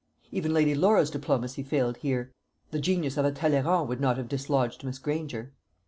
Even Lady Laura's diplomacy failed here. The genius of a Talleyrand would not have dislodged Miss Granger.